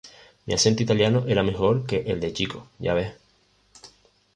Mi acento italiano era mejor que el de Chico, ya ves.